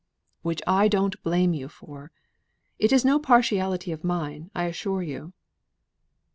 "Which I don't blame you for. It is no partiality of mine, I assure you."